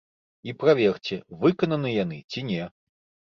І праверце, выкананы яны ці не.